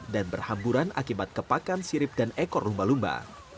dan berhamburan akibat kepakan sirip dan ekor lumba lumba